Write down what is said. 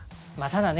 ただね